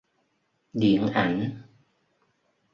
Điện ảnh